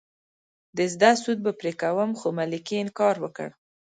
د زده سود به پرې کوم خو ملکې انکار وکړ.